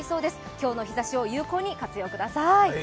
今日の日ざしを有効に活用してください。